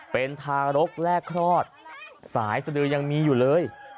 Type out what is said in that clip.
เป็นทารกแลกคลอดสายสดือยังมีอยู่เลย